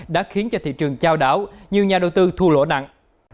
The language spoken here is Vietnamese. đã khiến thị trường trao đảo như nhà đầu tư thu lỗ nặng